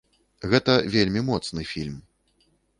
Гэта вельмі моцны фільм.